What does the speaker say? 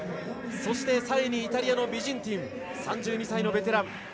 そして、３位にイタリアのビジンティン３２歳のベテラン。